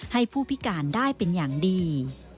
ผู้พิการได้เป็นอย่างดี